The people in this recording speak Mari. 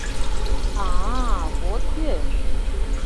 А-а, вот кӧ!